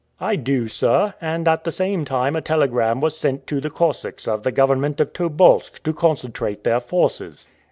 "I do, sir; and at the same time a telegram was sent to the Cossacks of the government of Tobolsk to concentrate their forces."